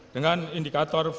dengan indikator fintech